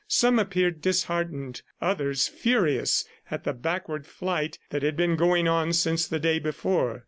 Some appeared disheartened, others furious at the backward flight that had been going on since the day before.